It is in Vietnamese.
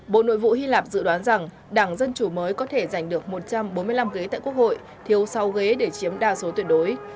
bộ nội vụ hy lạp dự đoán rằng đảng dân chủ mới có thể giành được một trăm bốn mươi năm ghế tại quốc hội thiếu sáu ghế để chiếm đa số tuyệt đối